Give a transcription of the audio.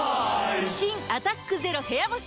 新「アタックＺＥＲＯ部屋干し」